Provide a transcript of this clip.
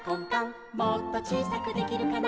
「もっとちいさくできるかな」